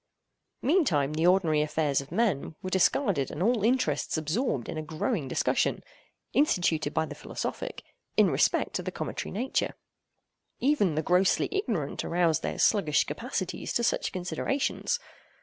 Meantime, the ordinary affairs of men were discarded and all interests absorbed in a growing discussion, instituted by the philosophic, in respect to the cometary nature. Even the grossly ignorant aroused their sluggish capacities to such considerations.